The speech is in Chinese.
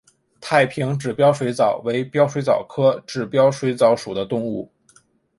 太平指镖水蚤为镖水蚤科指镖水蚤属的动物。